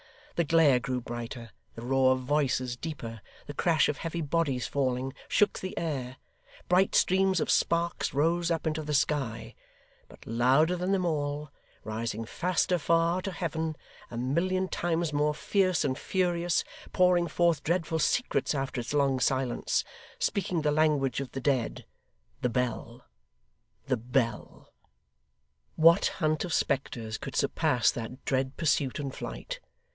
The glare grew brighter, the roar of voices deeper; the crash of heavy bodies falling, shook the air; bright streams of sparks rose up into the sky; but louder than them all rising faster far, to Heaven a million times more fierce and furious pouring forth dreadful secrets after its long silence speaking the language of the dead the Bell the Bell! What hunt of spectres could surpass that dread pursuit and flight!